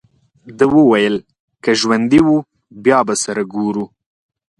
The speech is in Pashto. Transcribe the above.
ده وویل: که ژوندي وو، بیا به سره ګورو.